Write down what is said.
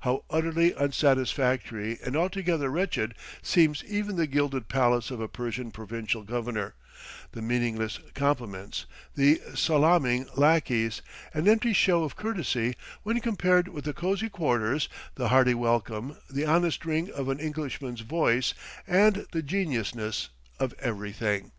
How utterly unsatisfactory and altogether wretched seems even the gilded palace of a Persian provincial governor the meaningless compliments, the salaaming lackeys and empty show of courtesy, when compared with the cosey quarters, the hearty welcome, the honest ring of an Englishman's voice, and the genuineness of everything!